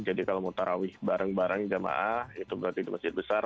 jadi kalau mau taraweh bareng bareng jamaah itu berarti masjid besar